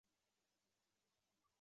有公路通拉萨和印度。